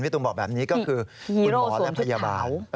พี่ตูนบอกแบบนี้ก็คือฮีโรสวมชุดขาว